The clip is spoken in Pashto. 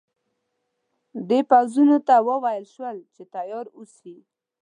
د پوځونو ته وویل شول چې تیار اوسي.